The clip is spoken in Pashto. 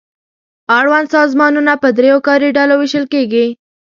اړوند سازمانونه په دریو کاري ډلو وېشل کیږي.